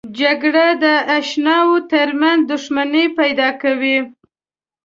جګړه د اشناو ترمنځ دښمني پیدا کوي